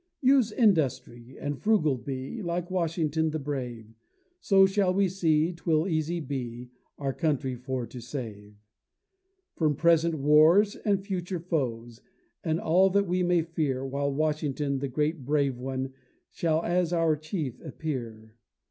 Use industry, and frugal be, Like Washington the brave; So shall we see, 'twill easy be, Our country for to save, From present wars and future foes, And all that we may fear; While Washington, the great brave one, Shall as our chief appear.